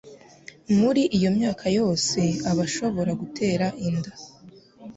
Muri iyo myaka yose aba ashobora gutera inda,